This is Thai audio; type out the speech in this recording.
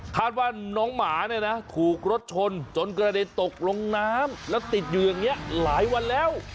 ว่าน้องหมาเนี่ยนะถูกรถชนจนกระเด็นตกลงน้ำแล้วติดอยู่อย่างนี้หลายวันแล้ว